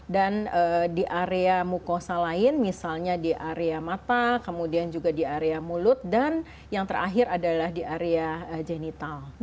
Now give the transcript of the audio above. dan di area mukosa lain misalnya di area mata kemudian juga di area mulut dan yang terakhir adalah di area genital